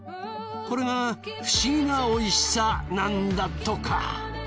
これが不思議なおいしさなんだとか。